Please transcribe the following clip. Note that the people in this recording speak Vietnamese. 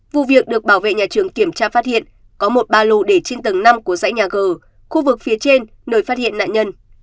vụ việc được bảo vệ nhà trường kiểm tra phát hiện có một ba lô để trên tầng năm của dãy nhà g khu vực phía trên nơi phát hiện nạn nhân